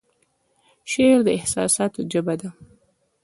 شعر د احساساتو ژبه ده